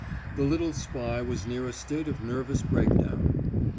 The little spy was near a state of nervous breakdown.